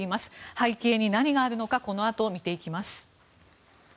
背景に何があるのかこのあと見ていきます。